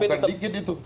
bukan dikit itu